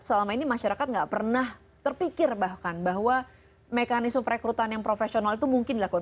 selama ini masyarakat nggak pernah terpikir bahkan bahwa mekanisme perekrutan yang profesional itu mungkin dilakukan